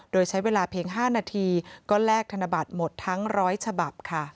โดยใช้เวลาเพียง๕นาทีก็แลกธนบัตรหมดทั้ง๑๐๐ฉบับค่ะ